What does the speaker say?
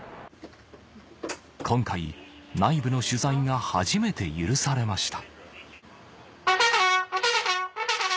今回内部の取材が初めて許されました